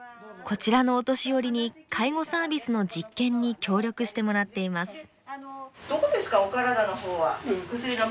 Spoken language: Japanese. こちらのお年寄りに介護サービスの実験に協力してもらっています。